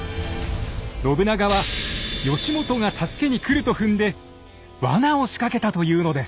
信長は義元が助けに来ると踏んでワナを仕掛けたというのです。